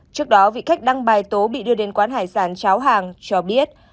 trước đó vị khách đăng bài tố bị đưa đến quán hải sản cháo hàng cho biết